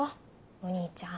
お兄ちゃん。